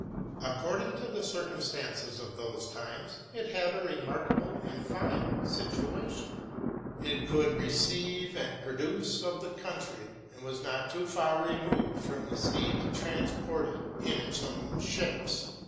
According to the circumstances of those times, it had a remarkable and fine situation: it could receive the produce of the country, and was not too far removed from the sea to transport it in its own ships.